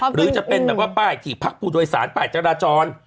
หรือจะเป็นแบบว่าป้ายที่พักผู้โดยสารป้ายจราจร